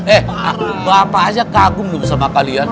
eh bapak aja kagum dong sama kalian